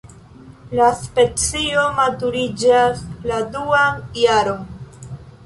La specio maturiĝas la duan jaron.